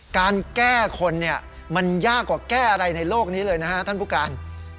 การแก้คนเนี่ยมันยากกว่าแก้อะไรในโลกนี้เลยนะฮะท่านผู้การ